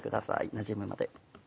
なじむまで。